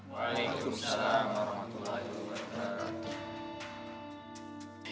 waalaikumsalam warahmatullahi wabarakatuh